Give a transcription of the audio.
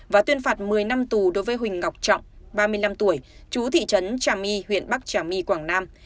và tuyên phạt một mươi năm tù đối với huỳnh ngọc trọng ba mươi năm tuổi chú thị trấn trà my huyện bắc trà my quảng nam